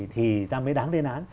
thì ta mới đáng lên án